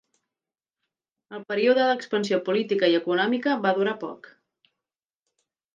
El període d'expansió política i econòmica va durar poc.